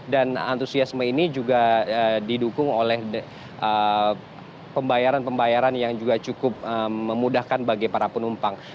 dan antusiasme ini juga didukung oleh pembayaran pembayaran yang juga cukup memudahkan bagi para penumpang